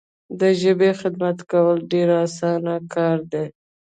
د ژبي خدمت کول ډیر اسانه کار دی.